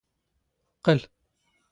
ⵇⵇⵍ.